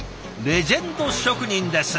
レジェンド職人です。